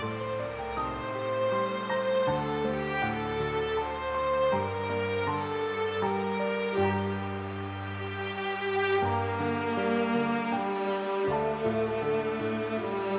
แล้วก็พลักับสิ่งที่จะเป็นที่ขาดเกิด